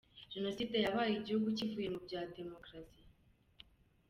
Jenoside yabaye igihugu kivuye mu bya demokarasi.